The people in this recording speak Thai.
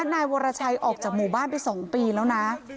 นายวรชัยออกจากหมู่บ้านไป๒ปีแล้วนะ